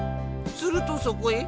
するとそこへ。